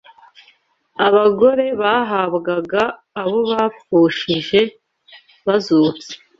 Abagore bahabwaga abo bapfushije bazutse